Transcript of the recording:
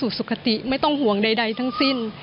ลูกชายวัย๑๘ขวบบวชหน้าไฟให้กับพุ่งชนจนเสียชีวิตแล้วนะครับ